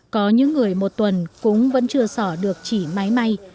có những người một tuần cũng vẫn chưa sỏ được chỉ máy may